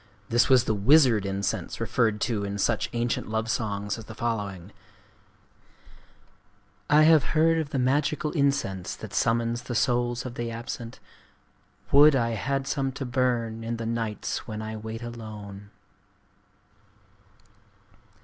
This was the wizard incense referred to in such ancient love songs as the following:— "I have heard of the magical incense that summons the souls of the absent: Would I had some to burn, in the nights when I wait alone!"